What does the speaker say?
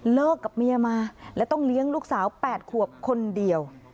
กับเมียมาและต้องเลี้ยงลูกสาว๘ขวบคนเดียว